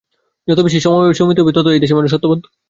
যত বেশি সমবায় সমিতি হবে, ততই এই দেশের মানুষ সত্যবদ্ধ হবে।